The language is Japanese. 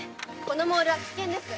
このモールは危険です。